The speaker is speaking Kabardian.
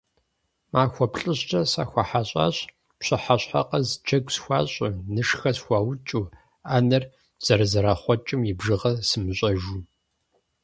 Махуэ плӀыщӀкӀэ сахуэхьэщӀащ, пщыхьэщхьэ къэс джэгу схуащӀу, нышхэр схуаукӀыу, Ӏэнэр зэрызэрахъуэкӏым и бжыгъэр сымыщӏэжу.